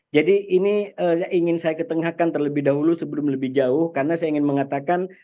jadi ini ingin saya ketengahkan terlebih dahulu sebelum lebih jauh karena saya ingin mengatakan